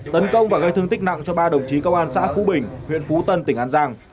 tấn công và gây thương tích nặng cho ba đồng chí công an xã phú bình huyện phú tân tỉnh an giang